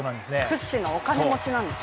屈指のお金持ちなんですね。